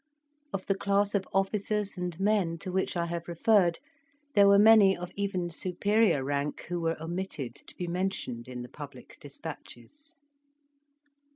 Of the class of officers and men to which I have referred, there were many of even superior rank who were omitted to be mentioned in the public despatches.